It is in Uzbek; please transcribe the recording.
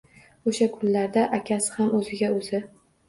O`sha kunlarda akasi ham o`ziga o`zi